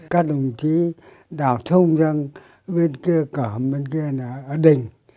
các đồng chí đào thông sang bên kia cửa hầm bên kia là ở đỉnh